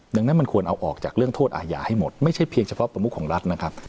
ดังนั้นมันควรเอาออกจากเรื่องโทษอาญาให้หมดไม่ใช่เพียงเฉพาะประมุขของรัฐนะครับ